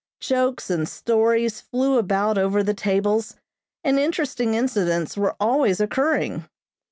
Jokes and stories flew about over the tables, and interesting incidents were always occurring.